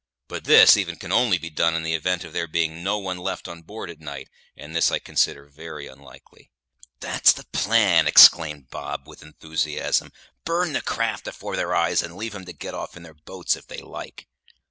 But this even can only be done in the event of there being no one left on board at night, and this I consider very unlikely." "That's the plan!" exclaimed Bob, with enthusiasm. "Burn the craft afore their eyes, and leave 'em to get off in their boats, if they like."